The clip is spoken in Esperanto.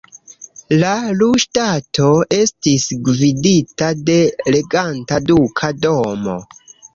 La Lu-ŝtato estis gvidita de reganta duka domo.